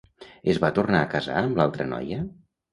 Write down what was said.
Es va tornar a casar amb l'altra noia?